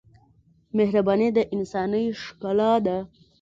مهرباني د انسانۍ ښکلا ده.